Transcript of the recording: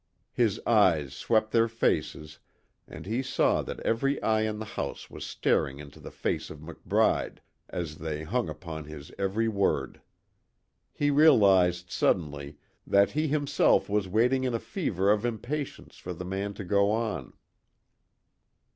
His eyes swept their faces and he saw that every eye in the house was staring into the face of McBride as they hung upon his every word. He realized suddenly that he himself was waiting in a fever of impatience for the man to go on.